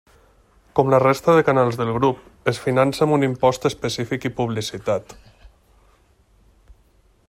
Com la resta de canals del grup, es finança amb un impost específic i publicitat.